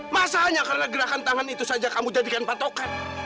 masanya karena gerakan tangan itu saja kamu jadikan patokan